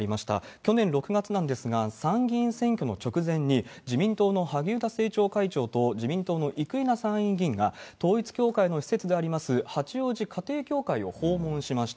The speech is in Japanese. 去年６月なんですが、参議院選挙の直前に、自民党の萩生田政調会長と、自民党の生稲参院議員が、統一教会の施設であります、八王子家庭教会を訪問しました。